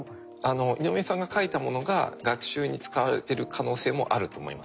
井上さんが書いたものが学習に使われてる可能性もあると思いますね。